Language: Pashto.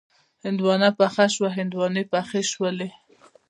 هندواڼه پخه شوه، هندواڼې پخې شولې